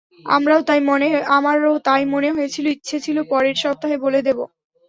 আমারও তাই মনে হয়েছিল, ইচ্ছে ছিল পরের সপ্তাহে বলে দেবো।